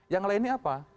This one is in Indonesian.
yang lainnya apa